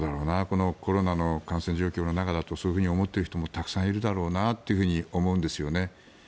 このコロナの感染状況だとそういうふうに思っている人もたくさんいるだろうなって思うんですよね。